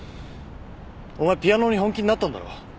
お前ピアノに本気になったんだろう！？